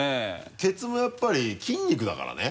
ケツもやっぱり筋肉だからね。